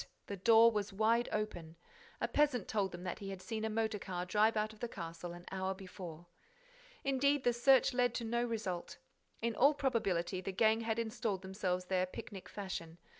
The door was wide open. A peasant told them that he had seen a motor car drive out of the castle an hour before. Indeed, the search led to no result. In all probability, the gang had installed themselves there picnic fashion.